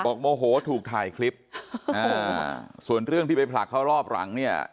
โมโหถูกถ่ายคลิปอ่าส่วนเรื่องที่ไปผลักเขารอบหลังเนี่ย